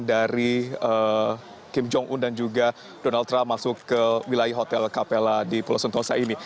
dari kim jong un dan juga donald trump masuk ke wilayah hotel capella di pulau sentosa ini